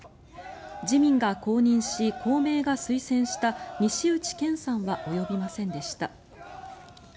自民が公認し公明が推薦した西内健さんは及びませんでした。